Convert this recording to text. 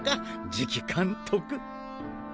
次期監督！